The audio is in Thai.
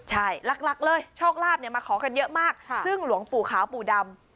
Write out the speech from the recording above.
ใช่หลักเลยโชคลาภมาขอกันเยอะมากซึ่งหลวงปู่ขาวปู่ดำ